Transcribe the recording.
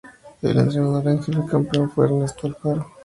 El entrenador en jefe campeón fue Ernesto Alfaro.